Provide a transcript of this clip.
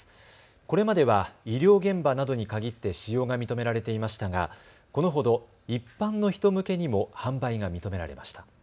これまでは医療現場などに限って使用が認められていましたがこのほど、一般の人向けにも販売が認められました。